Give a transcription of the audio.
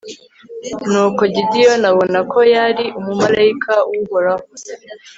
nuko gideyoni abona ko yari umumalayika w'uhoraho